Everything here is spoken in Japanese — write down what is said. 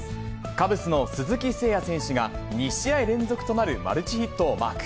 カブスの鈴木誠也選手が、２試合連続となるマルチヒットをマーク。